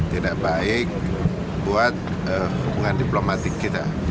tidak baik buat hubungan diplomatik kita